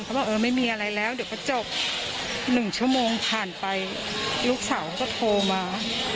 บอกเออไม่มีอะไรแล้วเดี๋ยวก็จบ๑ชั่วโมงผ่านไปลูกสาวก็โทรมา